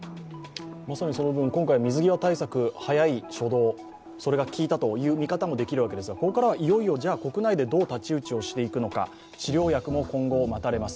まさにその分、今回水際対策、早い初動が効いたという見方もされますがここからは、いよいよ国内でどう太刀打ちしていくか治療薬も今後待たれます。